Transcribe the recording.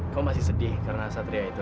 kau masih sedih karena satria itu